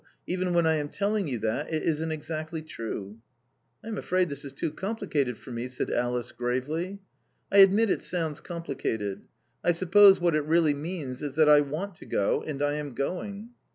Even when I am telling you that, it isn't exactly true." "I am afraid this is too complicated for me," said Alice gravely. "I admit it sounds complicated! I suppose what it really mean is that I want to go, and I am going!"